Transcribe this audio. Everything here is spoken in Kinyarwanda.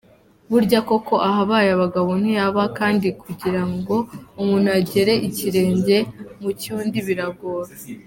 Burya koko ahabaye abagabo ntihaba, kandi kugirango umuntu agere ikirenge mucyundi biragora.